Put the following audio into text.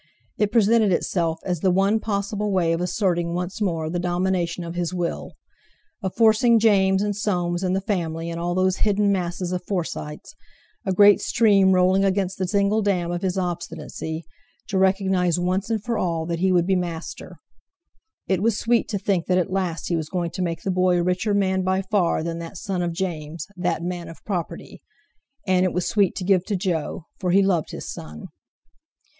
It presented itself as the one possible way of asserting once more the domination of his will; of forcing James, and Soames, and the family, and all those hidden masses of Forsytes—a great stream rolling against the single dam of his obstinacy—to recognise once and for all that he would be master. It was sweet to think that at last he was going to make the boy a richer man by far than that son of James, that "man of property." And it was sweet to give to Jo, for he loved his son.